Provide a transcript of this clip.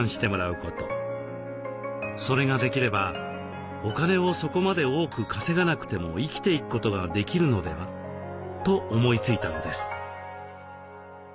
それができればお金をそこまで多く稼がなくても生きていくことができるのでは？と思いついたのです。